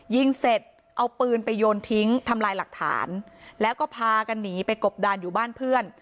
ยิงเสร็จเอาปืนไปโยนทิ้งทำลายหลักฐานแล้วก็พากันหนีไปกบดานอยู่บ้านเพื่อน